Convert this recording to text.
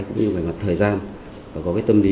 cũng như về mặt thời gian và có cái tâm lý